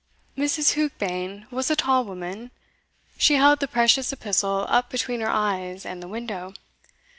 Mrs. Heukbane was a tall woman she held the precious epistle up between her eyes and the window.